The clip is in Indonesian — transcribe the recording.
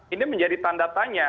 ini menjadi tanda tanya